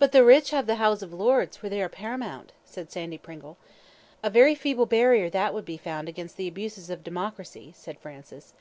"But the rich have the House of Lords, where they are paramount," said Sandy Pringle. "A very feeble barrier that would be found against the abuses of democracy," said Francis.